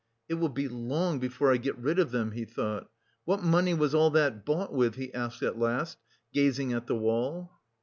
"It will be long before I get rid of them," he thought. "What money was all that bought with?" he asked at last, gazing at the wall.